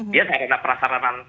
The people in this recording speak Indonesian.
dia kayak perasaran